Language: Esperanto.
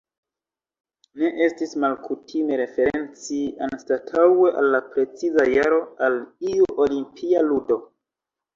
Ne estis malkutime referenci, anstataŭe al la preciza jaro, al iu Olimpia ludo.